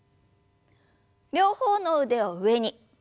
両方の腕を上に。